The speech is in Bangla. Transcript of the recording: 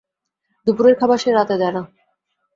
দুপুরের খাবার সে রাতে দেয় না।